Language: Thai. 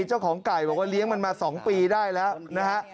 เจ้าของไก่บอกว่าเลี้ยงมันมา๒ปีได้แล้วนะฮะ